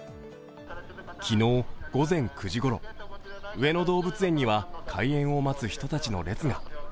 昨日午前９時ごろ、上野動物園には開園を待つ人たちの列が。